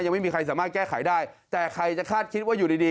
ยังไม่มีใครสามารถแก้ไขได้แต่ใครจะคาดคิดว่าอยู่ดีดี